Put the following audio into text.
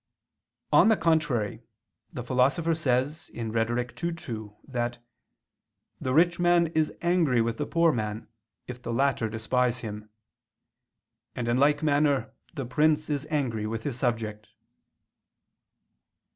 On the contrary, The Philosopher says (Rhet. ii, 2) that "the rich man is angry with the poor man, if the latter despise him; and in like manner the prince is angry with his subject."